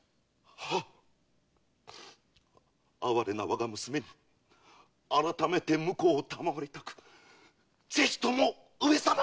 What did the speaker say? はっ哀れな我が娘に改めて婿をたまわりたくぜひとも上様に！